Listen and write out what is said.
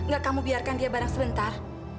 gak kamu biarkan dia barang sebentar